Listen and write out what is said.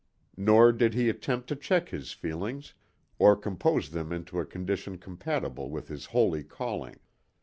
Nor did he attempt to check his feelings, or compose them into a condition compatible with his holy calling.